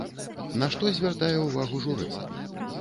На што звяртае ўвагу журы?